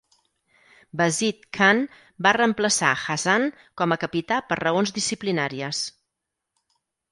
Bazid Khan va reemplaçar Hasan com a capità per raons disciplinàries.